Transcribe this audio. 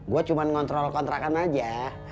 gue cuma ngontrol kontrakan aja